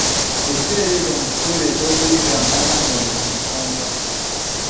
Ekiseera ekyo mukifuule eky'okuyigangana mu buli nsonga.